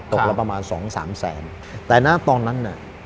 ตกแล้วประมาณ๒๓แสนแต่ตอนนั้น